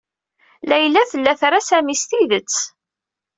Layla tella tra Sami s tidet.